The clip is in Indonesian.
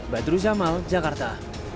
badru jamal jakarta